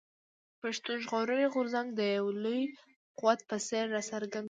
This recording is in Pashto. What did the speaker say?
پښتون ژغورني غورځنګ د يو لوی قوت په څېر راڅرګند شو.